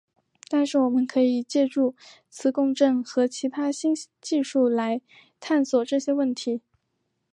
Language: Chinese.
但是我们可以借助磁共振和其他新技术来探索这些问题。